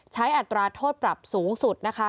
อัตราโทษปรับสูงสุดนะคะ